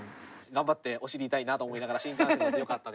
頑張ってお尻痛いなと思いながら新幹線でよかったです。